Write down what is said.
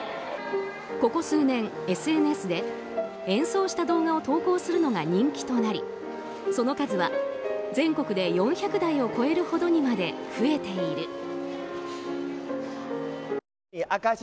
ここ数年、ＳＮＳで演奏した動画を投稿するのが人気となりその数は全国で４００台を超えるほどにまで増えている。